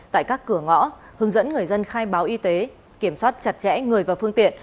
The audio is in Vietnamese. tại các cửa ngõ hướng dẫn người dân khai báo y tế kiểm soát chặt chẽ người và phương tiện